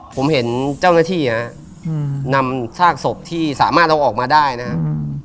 ผมเห็นเจ้าหน้าที่นำซากศพที่สามารถเอาออกมาได้นะครับ